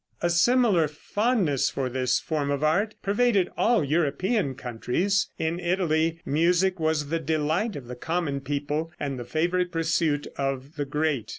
A similar fondness for this form of art pervaded all European countries. In Italy music was the delight of the common people and the favorite pursuit of the great.